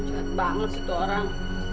jat banget sih tuh orang